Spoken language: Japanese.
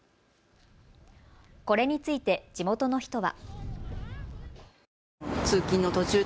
これについて地元の人は。